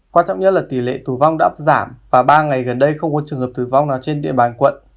quan trọng nhất là tỷ lệ tử vong đã giảm và ba ngày gần đây không có trường hợp tử vong nào trên địa bàn quận